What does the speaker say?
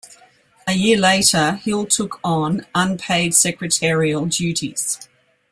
A year later Hill took on unpaid secretarial duties.